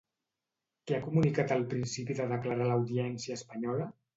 Què ha comunicat al principi de declarar a l'Audiència Espanyola?